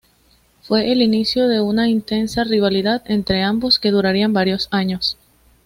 Fue el inicio de una intensa rivalidad entre ambos que duraría varios años.